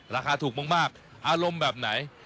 ราคาถูกมากอารมณ์แบบไหน